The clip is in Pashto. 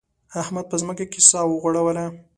احمد په ځمکه کې سا وغوړوله.